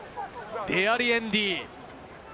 デアリエンディ。